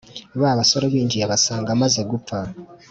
Ba basore binjiye basanga amaze gupfa